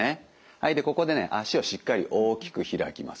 はいでここでね足をしっかり大きく開きます。